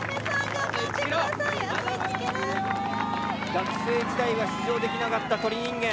学生時代は出場できなかった鳥人間。